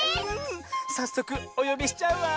さっそくおよびしちゃうわ！